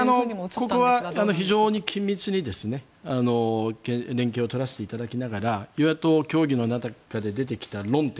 ここは非常に緊密に連携を取らせていただきながら与野党協議の中で出てきた論点